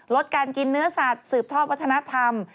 ลดการกินเนื้อสัตว์สืบทอดวัฒนธรรม